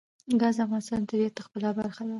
ګاز د افغانستان د طبیعت د ښکلا برخه ده.